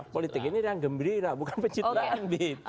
politik ini yang gembira bukan pencitraan